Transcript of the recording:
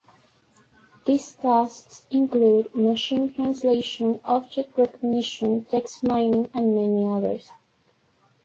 These tasks include machine translation, object recognition, text mining and many others.